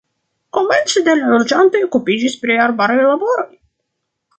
Komence la loĝantoj okupiĝis pri arbaraj laboroj.